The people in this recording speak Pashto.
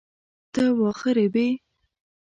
ته واخه ریبې؟